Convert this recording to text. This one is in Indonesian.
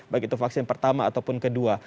baik itu vaksin pertama ataupun kedua